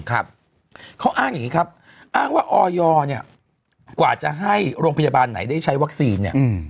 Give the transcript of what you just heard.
เขาอ้างอย่างนี้ครับอ้างว่าออยเนี่ยกว่าจะให้โรงพยาบาลไหนได้ใช้วัคซีนเนี่ย